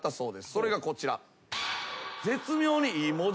それがこちら。